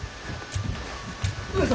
上様！